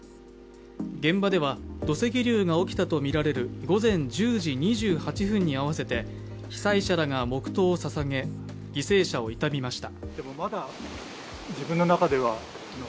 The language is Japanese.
現場では土石流が起きたとみられる午前１０時２８分に合わせて被災者らが黙とうをささげ、犠牲者を悼みました。